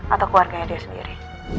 atau keluarganya dia sendiri